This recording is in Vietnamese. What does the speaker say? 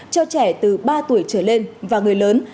cho trẻ từ ba tuổi trở lên và người lớn